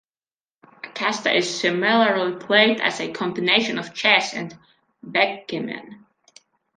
Accasta is similarly played as a combination of Chess and Backgammon.